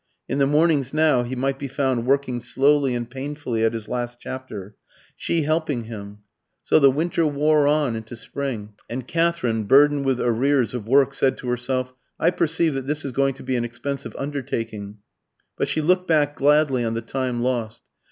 In the mornings now he might be found working slowly and painfully at his last chapter, she helping him. So the winter wore on into spring; and Katherine, burdened with arrears of work, said to herself, "I perceive that this is going to be an expensive undertaking." But she looked back gladly on the time lost.